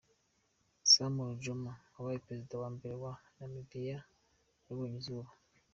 Sam Nujoma, wabaye perezida wa mbere wa Namibiya yabonyeizuba.